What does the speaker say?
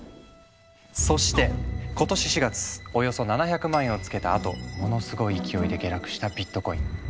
そして今年４月およそ７００万円をつけたあとものすごい勢いで下落したビットコイン。